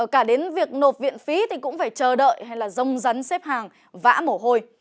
cả đến việc nộp viện phí thì cũng phải chờ đợi hay là rông rắn xếp hàng vã mổ hôi